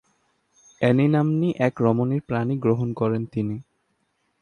Annie নাম্নী এক রমণীর পাণিগ্রহণ করেন তিনি।